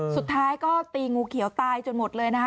สุดท้ายก็ตีงูเขียวตายจนหมดเลยนะคะ